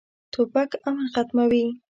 توپک امن ختموي.